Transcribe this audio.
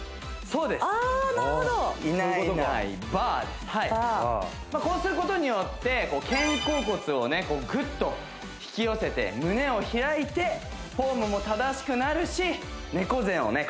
そうですあなるほどいないいないばあはいそういうことかこうすることによってこう肩甲骨をねこうぐっと引き寄せて胸を開いてフォームも正しくなるし猫背をね